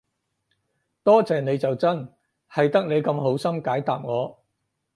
多謝你就真，係得你咁好心解答我